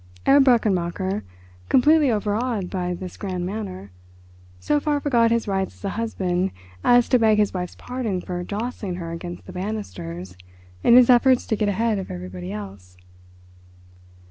Herr Brechenmacher, completely overawed by this grand manner, so far forgot his rights as a husband as to beg his wife's pardon for jostling her against the banisters in his efforts to get ahead of everybody else.